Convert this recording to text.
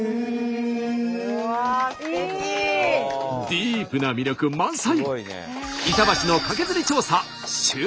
ディープな魅力満載！